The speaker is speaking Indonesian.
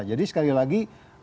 jadi sekali lagi